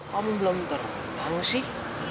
kamu belum berangu sih